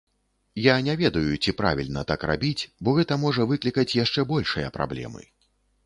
Я не ведаю, ці правільна так рабіць, бо гэта можа выклікаць яшчэ большыя праблемы.